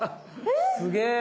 すげえ！